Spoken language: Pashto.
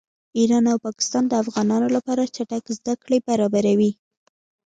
ایران او پاکستان د افغانانو لپاره چټکې زده کړې برابروي